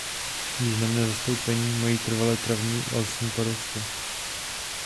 Významné zastoupení mají trvalé travní a lesní porosty.